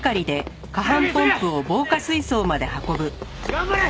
頑張れ！